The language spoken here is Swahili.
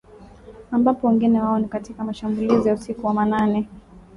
ambapo wengi wao ni katika mashambulizi ya usiku wa manane